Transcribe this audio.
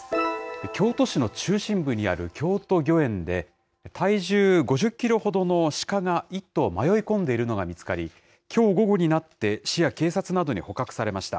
京都市の中心部にある京都御苑で、体重５０キロほどのシカが１頭、迷い込んでいるのが見つかり、きょう午後になって、市や警察などに捕獲されました。